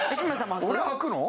俺はくの？